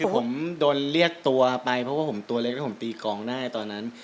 ผมโดนเรียกตัวไปเพราะว่าผมตัวเล็กแล้วผมตีกองได้ตอนนั้น